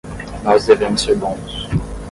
Nós devemos ser bons.